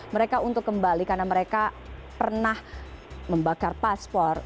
mereka untuk kembali karena mereka pernah membakar paspor